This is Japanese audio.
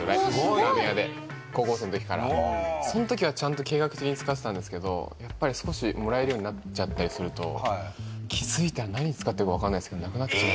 ラーメン屋で高校生のときからそのときはちゃんと計画的に使ってたんですけどやっぱり少しもらえるようになっちゃったりすると気づいたら何に使ったか分かんないですけどえ！